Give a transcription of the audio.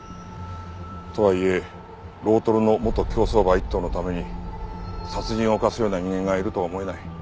とはいえロートルの元競走馬１頭のために殺人を犯すような人間がいるとは思えない。